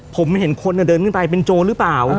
ผมเห็นคนเดินขึ้นไปเป็นโจรหรือเปล่า